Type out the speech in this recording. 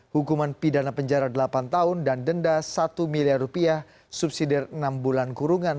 hukuman pidana penjara delapan tahun dan denda satu miliar rupiah subsidi enam bulan kurungan